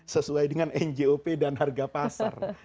sesuai dengan njop dan harga pasar